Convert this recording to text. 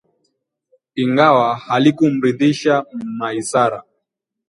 Ingawa halikumridhisha Maisara